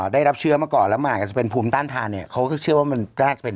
ได้รับเชื้อมาก่อนแล้วมันอาจจะเป็นภูมิต้านทานเนี่ยเขาก็เชื่อว่ามันน่าจะเป็น